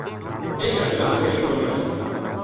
ایک دھیاڑے گراں ما ایک موٹر آئی